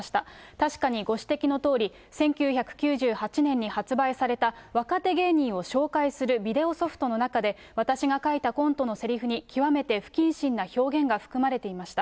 確かにご指摘のとおり、１９９８年に発売された、若手芸人を紹介するビデオソフトの中で、私が書いたコントのせりふに、極めて不謹慎な表現が含まれていました。